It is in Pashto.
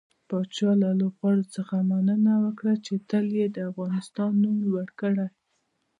پاچا له لوبغاړو څخه مننه وکړه چې تل يې د افغانستان نوم لوړ کړى.